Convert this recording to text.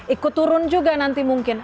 ikut turun juga nanti mungkin